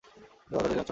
গাঁজা-টাজা টেনেছো নাকি?